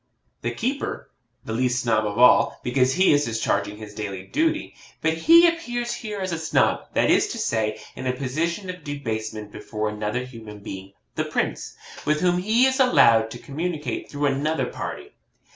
1. The keeper the least Snob of all, because he is discharging his daily duty; but he appears here as a Snob, that is to say, in a position of debasement before another human being (the Prince), with whom he is allowed to communicate through another party.